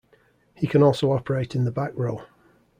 He can also operate in the back row.